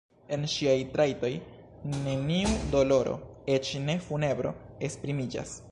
En ŝiaj trajtoj neniu doloro, eĉ ne funebro esprimiĝas.